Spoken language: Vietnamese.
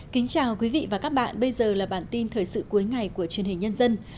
chào mừng quý vị đến với bản tin thời sự cuối ngày của truyền hình nhân dân